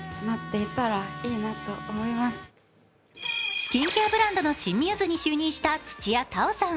スキンケアブランドの新ミューズに就任した土屋太鳳さん